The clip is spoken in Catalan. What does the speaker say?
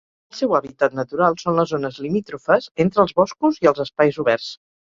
El seu hàbitat natural són les zones limítrofes entre els boscos i els espais oberts.